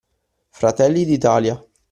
Fratelli d’Italia.